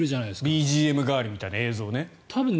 ＢＧＭ代わりみたいな映像ね。